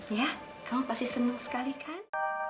ya kamu pasti senang sekali kan